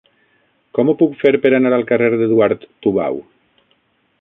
Com ho puc fer per anar al carrer d'Eduard Tubau?